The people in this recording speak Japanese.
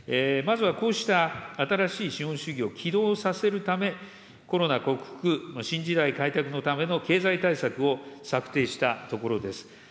まずは、こうした新しい資本主義を起動させるため、コロナ克服、新時代改革のための経済対策を策定したところです。